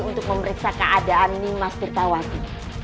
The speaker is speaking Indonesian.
untuk memeriksa keadaan nimas tirtawati